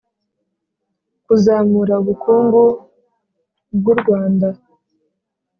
kuzamura ubukungu bw'u rwanda.